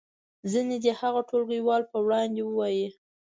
ځینې دې هغه ټولګیوالو په وړاندې ووایي.